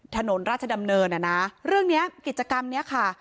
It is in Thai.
ถนนราชดำเนินอ่ะนะเรื่องเนี้ยกิจกรรมเนี้ยค่ะ